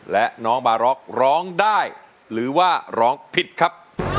และน้องบาร็อกร้องได้หรือว่าร้องผิดครับ